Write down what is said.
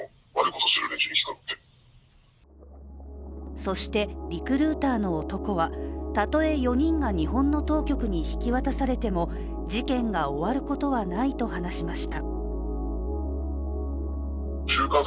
そしてリクルーターの男はたとえ４人が日本の当局に引き渡されても事件が終わることはないと話しました。